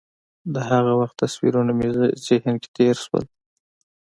د هغه وخت تصویرونه مې ذهن کې تېر شول.